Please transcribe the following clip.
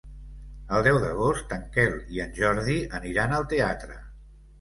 El deu d'agost en Quel i en Jordi aniran al teatre.